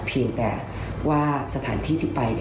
เพียงแต่ว่าสถานที่ที่ไป